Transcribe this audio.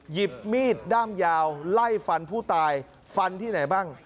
หยิบมีดด้ามยาวไล่ฟันผู้ตายฟันที่ไหนบ้าง